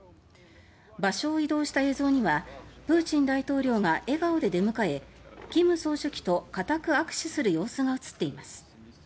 場所を移動した映像にはプーチン大統領が笑顔で出迎え金総書記と固く握手する様子が映っています。